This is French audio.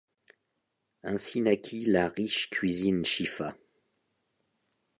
Ainsi naquît la riche cuisine chifa.